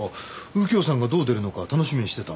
右京さんがどう出るのか楽しみにしてたのに。